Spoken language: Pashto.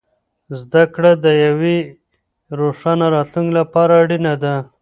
زده کړه د یوې روښانه راتلونکې لپاره اړینه ده.